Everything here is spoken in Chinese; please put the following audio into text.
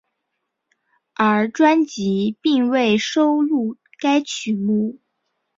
而专辑并未收录该曲目。